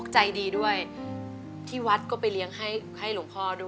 ใจดีด้วยที่วัดก็ไปเลี้ยงให้หลวงพ่อด้วย